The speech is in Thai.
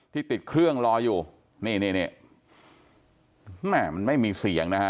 ติดเครื่องรออยู่นี่นี่แม่มันไม่มีเสียงนะฮะ